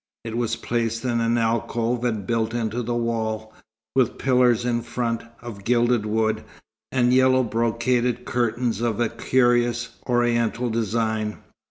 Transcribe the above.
It was placed in an alcove and built into the wall, with pillars in front, of gilded wood, and yellow brocaded curtains of a curious, Oriental design.